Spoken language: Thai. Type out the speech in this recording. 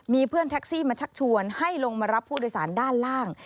มีเพื่อนแท็กซี่มาชักชวนให้ลงมารับผู้โดยสารด้านล่าง